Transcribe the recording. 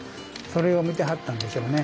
それを見てはったんでしょうね。